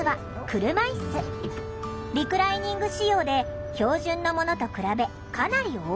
リクライニング仕様で標準のものと比べかなり大きい。